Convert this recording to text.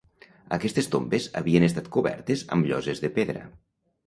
Aquestes tombes havien estat cobertes amb lloses de pedra.